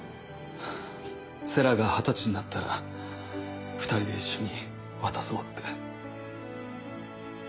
星来が二十歳になったら２人で一緒に渡そうって。